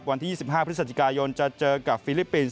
วันที่๒๕พฤศจิกายนจะเจอกับฟิลิปปินส์